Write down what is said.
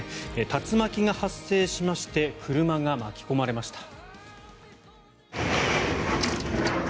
竜巻が発生しまして車が巻き込まれました。